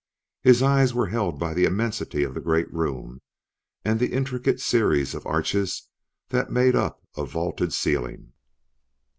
His eyes were held by the immensity of the great room and the intricate series of arches that made up a vaulted ceiling.